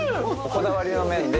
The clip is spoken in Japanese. こだわりの麺で。